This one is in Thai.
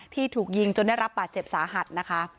ถูกยิงจนได้รับบาดเจ็บสาหัสนะคะ